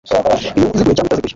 inyungu iziguye cyangwa itaziguye